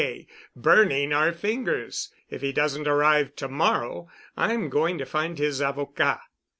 K., burning in our fingers. If he doesn't arrive to morrow I'm going to find his avocat."